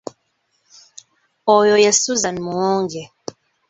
Oyo ye Suzan Muwonge.